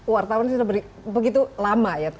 wartawan sudah begitu lama ya